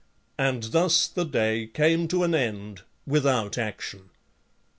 And thus the day came to an end without action.